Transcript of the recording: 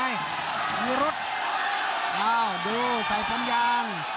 อยู่รถอ้าวดูใส่ฟันยาง